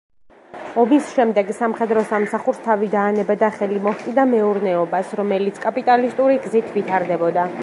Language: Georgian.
ომის შემდეგ სამხედრო სამსახურს თავი დაანება და ხელი მოჰკიდა მეურნეობას, რომელიც კაპიტალისტური გზით ვითარდებოდა.